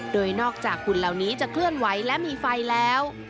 โดยนอกจากหุ่นเหล่านี้จะเคลื่อนไหวและมีไฟแล้ว